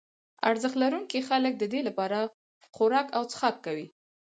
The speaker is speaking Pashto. ارزښت لرونکي خلک ددې لپاره خوراک او څښاک کوي.